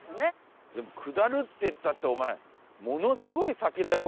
でも下るって言ったってお前ものすごい先だよ